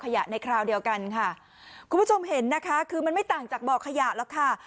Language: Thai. ขยะในคราวเดียวกันค่ะคุณผู้ชมเห็นนะคะคือมันไม่ต่างจากบ่อขยะหรอกค่ะ